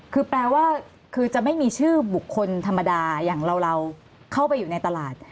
คือแปลว่าคือจะไม่มีชื่อบุคคลธรรมดาอย่างเราเข้าไปอยู่ในตลาด